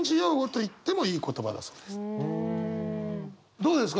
どうですか？